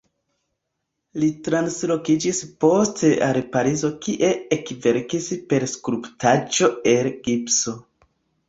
Li translokiĝis poste al Parizo kie ekverkis per skulptaĵo el gipso.